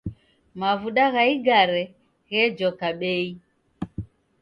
Mavuda gha igare ghejoka bei